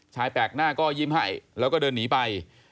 แปลกหน้าก็ยิ้มให้แล้วก็เดินหนีไป